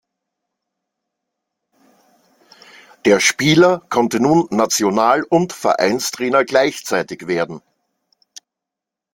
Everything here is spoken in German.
Der Spieler konnte nun National- und Vereinstrainer gleichzeitig werden.